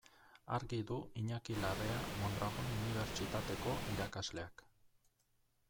Argi du Iñaki Larrea Mondragon Unibertsitateko irakasleak.